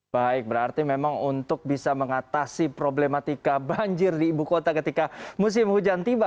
baik berarti memang untuk bisa mengatasi problematika banjir di ibu kota ketika musim hujan tiba